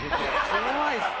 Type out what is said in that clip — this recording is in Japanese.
怖いです！